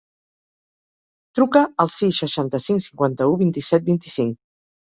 Truca al sis, seixanta-cinc, cinquanta-u, vint-i-set, vint-i-cinc.